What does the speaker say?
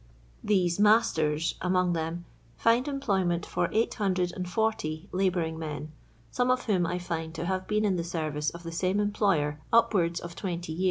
These "masters" among them find employment for 840 labouring men, some of whom I find to have been in the servico of the same employer upwards of 20 yean.